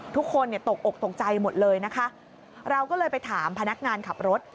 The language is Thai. ทุกคนเนี่ยตกอกตกใจหมดเลยนะคะเราก็เลยไปถามพนักงานขับรถ